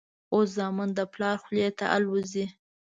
اوس زامن د پلار خولې ته الوزي.